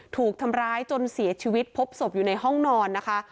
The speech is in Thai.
ถูกทำร้ายจนเสียชีวิตพบศพอยู่ในห้องนอนนะคะ